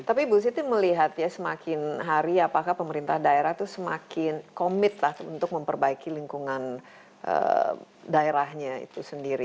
tapi ibu siti melihat semakin hari apakah pemerintah daerah itu semakin komit untuk memperbaiki lingkungan daerah bawahan